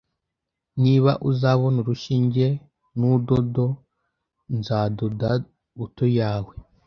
Niba uzabona urushinge nuudodo, nzadoda buto yawe.